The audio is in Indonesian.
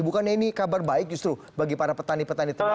bukannya ini kabar baik justru bagi para petani petani tebal